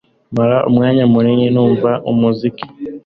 Mara umwanya munini numva umuziki